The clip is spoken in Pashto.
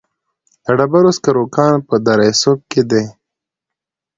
د ډبرو سکرو کانونه په دره صوف کې دي